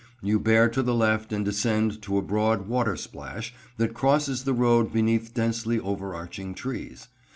You bear to the left and descend to a broad watersplash that crosses the road beneath densely overarching trees.